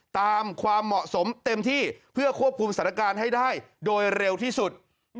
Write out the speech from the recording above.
ความเหมาะสมเต็มที่เพื่อควบคุมสถานการณ์ให้ได้โดยเร็วที่สุด